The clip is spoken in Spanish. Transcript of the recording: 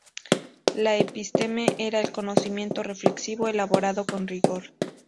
La "episteme" era el conocimiento reflexivo elaborado con rigor.